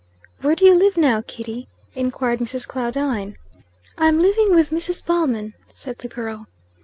"Where do you live now, Kitty?" inquired Mrs. Claudine. "I'm living with Mrs. Ballman," said the girl.